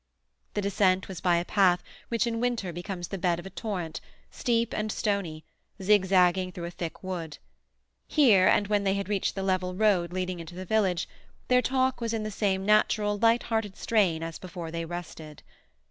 The descent was by a path which in winter becomes the bed of a torrent, steep and stony, zigzagging through a thick wood. Here, and when they had reached the level road leading into the village, their talk was in the same natural, light hearted strain as before they rested.